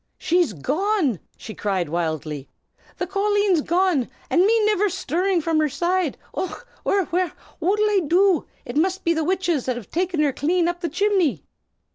"She's gone!" she cried wildly. "The colleen's gone, an' me niver shtirrin' from her side! Och, wirra, wirra! what'll I do? It must be the witches has taken her clane up chimley."